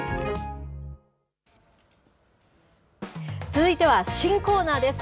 続いては新コーナーです。